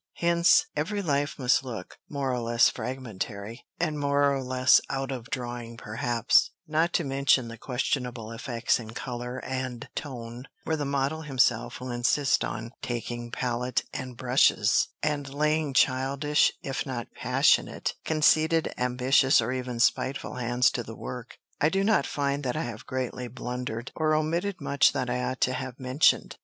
Hence, every life must look more or less fragmentary, and more or less out of drawing perhaps; not to mention the questionable effects in color and tone where the model himself will insist on taking palette and brushes, and laying childish, if not passionate, conceited, ambitious, or even spiteful hands to the work. I do not find that I have greatly blundered, or omitted much that I ought to have mentioned.